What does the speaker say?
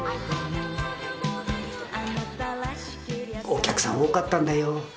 お客さん多かったんだよ。